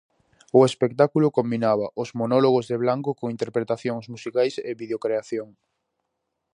O espectáculo combinaba os monólogos de Blanco con interpretacións musicais e videocreación.